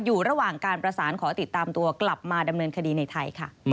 อยู่ระหว่างการประสานขอติดตามตัวกลับมาดำเนินคดีในไทยค่ะ